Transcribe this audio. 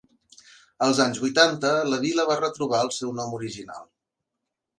Els anys vuitanta la vila va retrobar el seu nom original.